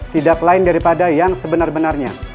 tidak lain daripada yang sebenar benarnya